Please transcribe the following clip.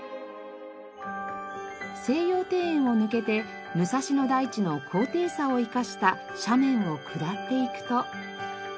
西洋庭園を抜けて武蔵野台地の高低差を生かした斜面を下っていくと。